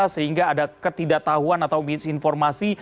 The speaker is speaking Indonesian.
sehingga ada ketidaktahuan atau misinformasi